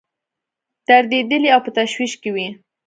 دردېدلي او په تشویش کې وي.